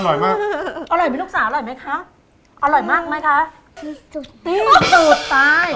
อันนี้คืออันนี้คือ